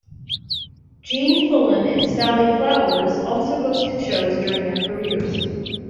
Gene Fullen and Sally Flowers also hosted shows during their careers.